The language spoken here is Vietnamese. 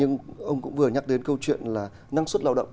nhưng ông cũng vừa nhắc đến câu chuyện là năng suất lao động